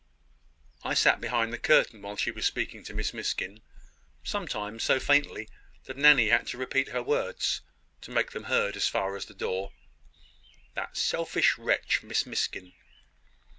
I sat behind the curtain while she was speaking to Miss Miskin sometimes so faintly that Nanny had to repeat her words, to make them heard as far as the door." "That selfish wretch Miss Miskin!"